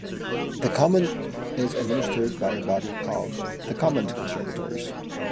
The common is administered by a body called "The Commons Conservators".